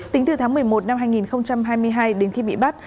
tính từ tháng một mươi một năm hai nghìn hai mươi hai đến khi bị bắt